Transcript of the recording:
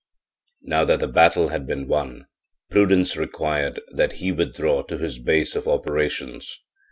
Now that the battle had been won, prudence required that he withdraw to his base of operations.